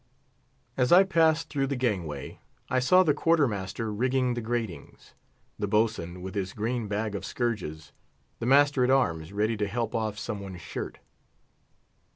As I passed through the gangway, I saw the quarter master rigging the gratings; the boatswain with his green bag of scourges; the master at arms ready to help off some one's shirt.